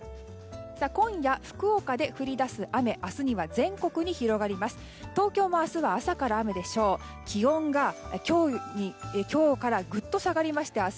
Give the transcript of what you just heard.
今夜、福岡で降り出す雨は明日には全国に広がります。